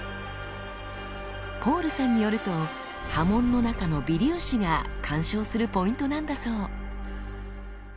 ポールさんによると刃文の中の微粒子が鑑賞するポイントなんだそう。